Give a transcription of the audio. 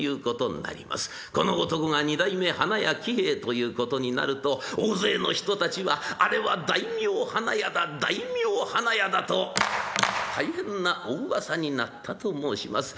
この男が２代目花屋喜兵衛ということになると大勢の人たちは「あれは大名花屋だ大名花屋だ」と大変なおうわさになったと申します。